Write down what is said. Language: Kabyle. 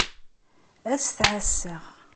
Ad s-t-ɛasseɣ.